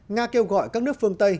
nga kêu gọi các nước phương tây